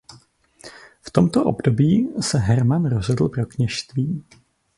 V tomto období se Hermann rozhodl pro kněžství.